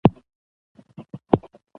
سخت کار انسان ورو ورو خپل هدف ته نږدې کوي